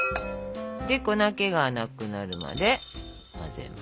で粉けがなくなるまで混ぜますと。